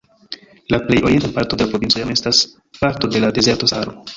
La plej orienta parto de la provinco jam estas parto de la dezerto Saharo.